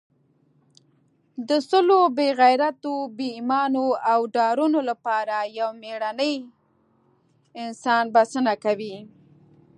د سلو بې غیرتو، بې ایمانو او ډارنو لپاره یو مېړنی انسان بسنه کوي.